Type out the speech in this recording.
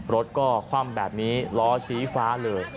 รถก็คว่ำแบบนี้ล้อชี้ฟ้าเลย